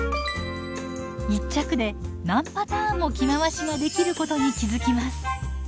一着で何パターンも着回しができることに気付きます。